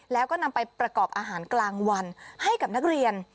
แล้วก็นำไปประกอบอาหารกลางวันให้กับนักเรียน